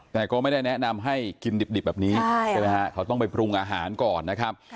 แต่ก็ไม่ได้แนะนำให้กินดิบแบบนี้ใช่ไหมฮะเขาต้องไปปรุงอาหารก่อนนะครับ